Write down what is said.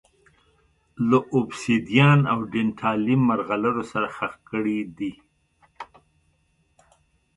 له اوبسیدیان او ډینټالیم مرغلرو سره ښخ کړي دي